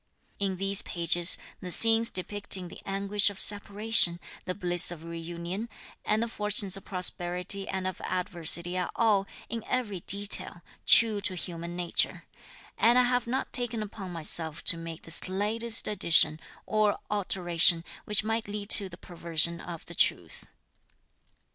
"In these pages, the scenes depicting the anguish of separation, the bliss of reunion, and the fortunes of prosperity and of adversity are all, in every detail, true to human nature, and I have not taken upon myself to make the slightest addition, or alteration, which might lead to the perversion of the truth.